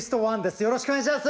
よろしくお願いしやす！